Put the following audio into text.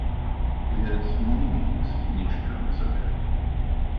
It has many meanings in each term or subject.